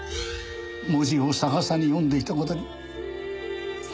文字を逆さに呼んでいた事に。